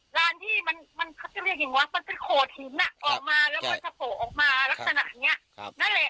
ร้านที่มันเขาจะเรียกยังไงวะมันเป็นขวดหินอ่ะออกมาแล้วมันจะโผล่ออกมาลักษณะอย่างเนี่ย